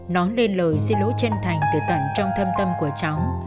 nói lên lời xin lỗi chân thành từ tận trong thâm tâm của cháu